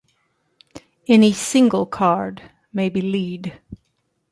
Any single card may be lead.